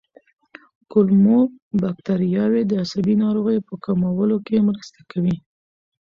کولمو بکتریاوې د عصبي ناروغیو په کمولو کې مرسته کوي.